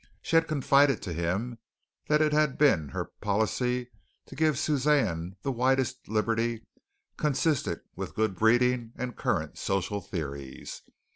She had confided to him that it had been her policy to give Suzanne the widest liberty consistent with good breeding and current social theories.